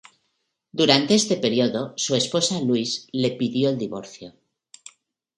Durante este periodo, su esposa Louise le pidió el divorcio.